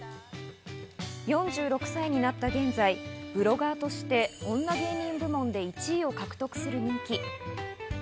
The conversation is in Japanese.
４６歳になった現在、ブロガーとして女芸人部門で１位を獲得する人気。